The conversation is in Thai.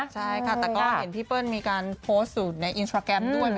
ใช่ค่ะแต่ก็เห็นพี่เปิ้ลมีการโพสต์อยู่ในอินสตราแกรมด้วย